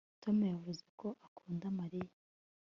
Tom yavuze ko akunda Mariya